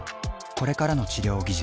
これからの治療技術